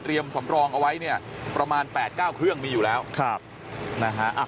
สำรองเอาไว้เนี่ยประมาณแปดเก้าเครื่องมีอยู่แล้วครับนะฮะ